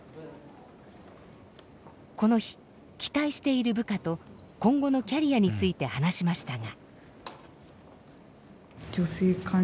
この日期待している部下と今後のキャリアについて話しましたが。